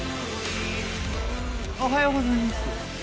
おはようございます。